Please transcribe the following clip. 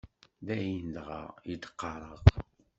D ayen dɣa i d-qqareɣ.